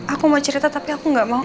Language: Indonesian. aku mau cerita tapi aku gak mau